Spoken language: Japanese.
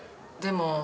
でも。